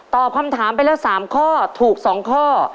คำถามไปแล้ว๓ข้อถูก๒ข้อ